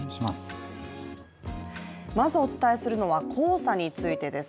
まずお伝えするのは黄砂についてです。